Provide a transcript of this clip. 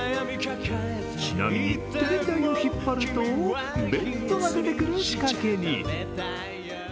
ちなみにテレビ台を引っ張るとベッドが出てくる仕掛けに。